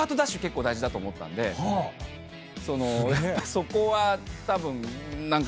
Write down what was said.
そこはたぶん何か。